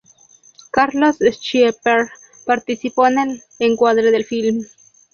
Carlos Schlieper participó en el encuadre del filme.